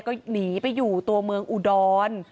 ก็หนีไปอยู่ตัวเมืองอุดร